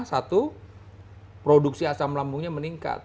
satu produksi asam lambungnya meningkat